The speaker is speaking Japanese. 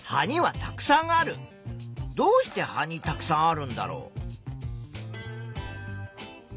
どうして葉にたくさんあるんだろう。